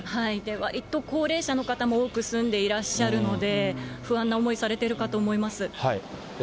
わりと高齢者の方も多く住んでらっしゃるので、不安な思いされているかと思います。